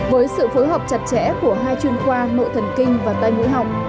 với sự phối hợp chặt chẽ của hai chuyên khoa nội thần kinh và tai ngũ học